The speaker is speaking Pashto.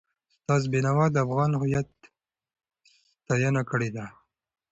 استاد بینوا د افغان هویت ستاینه کړې ده.